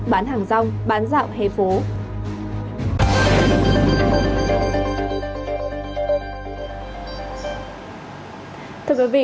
bán hàng rong bán dạo hay phố